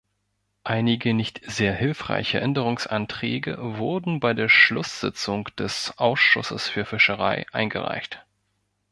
Einige nicht sehr hilfreiche Änderungsanträge wurden bei der Schlusssitzung des Ausschusses für Fischerei eingereicht.